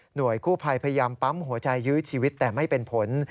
กู้ภัยพยายามปั๊มหัวใจยื้อชีวิตแต่ไม่เป็นผล